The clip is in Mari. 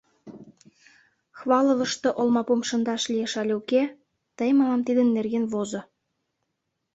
— Хваловышто олмапум шындаш лиеш але уке, тый мылам тидын нерген возо.